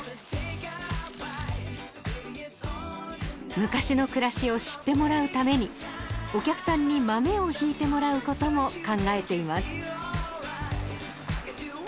昔の暮らしを知ってもらうためにお客さんに豆をひいてもらうことも考えています